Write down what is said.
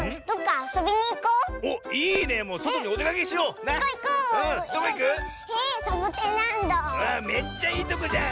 あっめっちゃいいとこじゃん！